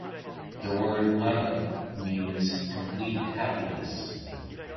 The word Anand means complete happiness.